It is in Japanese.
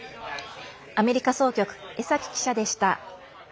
アメリカ総局江崎記者でした。